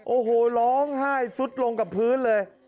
โอ้โหร้องไห้สุดลงกับพื้นเลย